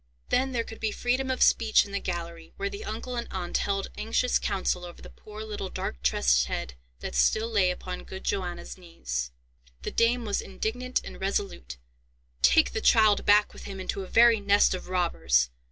Then there could be freedom of speech in the gallery, where the uncle and aunt held anxious counsel over the poor little dark tressed head that still lay upon good Johanna's knees. The dame was indignant and resolute: "Take the child back with him into a very nest of robbers!